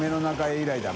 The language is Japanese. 以来だな。